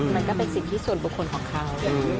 มันก็เป็นสิทธิส่วนบุคคลของเขา